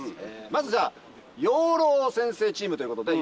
まずじゃあ養老先生チームということで。